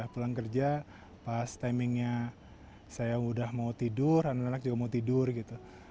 pulang kerja pas timingnya saya udah mau tidur anak anak juga mau tidur gitu